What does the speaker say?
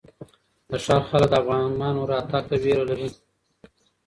د ښار خلک د افغانانو راتګ ته وېره لري.